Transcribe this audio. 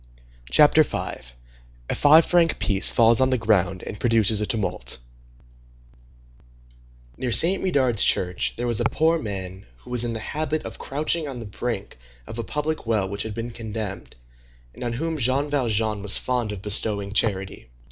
CHAPTER V—A FIVE FRANC PIECE FALLS ON THE GROUND AND PRODUCES A TUMULT Near Saint Médard's church there was a poor man who was in the habit of crouching on the brink of a public well which had been condemned, and on whom Jean Valjean was fond of bestowing charity.